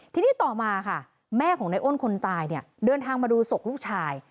ทีนี้ต่อมาค่ะแม่ของในอ้นคนตายเนี่ยเดินทางมาดูศพลูกชาย